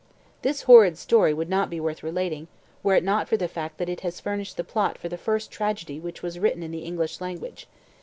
This horrid story would not be worth relating, were it not for the fact that it has furnished the plot for the first tragedy which was written in the English language.